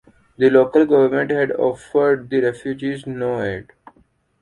The local government had offered the refugees no aid.